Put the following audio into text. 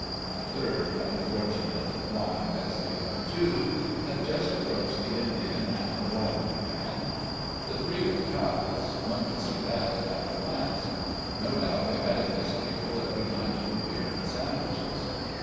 A third unfortunate, blind as the other two, had just approached the Indian and the lavender man. The three were pals, one could see that at half a glance. No doubt they met at this table every night for beer and sandwiches.